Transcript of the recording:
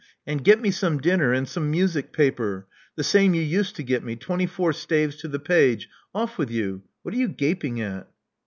And get me some dinner, and some music paper — ^the same you used to get me, twenty four staves" to the page. Off with you. What are you gaping at?"